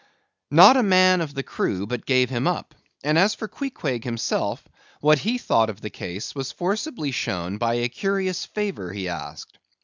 Not a man of the crew but gave him up; and, as for Queequeg himself, what he thought of his case was forcibly shown by a curious favour he asked.